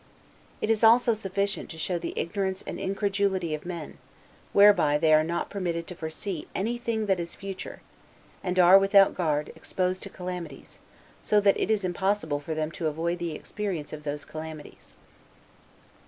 It is also sufficient to show the ignorance and incredulity of men, whereby they are not permitted to foresee any thing that is future, and are, without any guard, exposed to calamities, so that it is impossible for them to avoid the experience of those calamities.